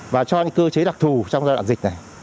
và cho những cơ chế đặc thù trong giai đoạn dịch này